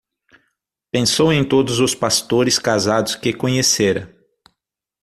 Pensou em todos os pastores casados que conhecera.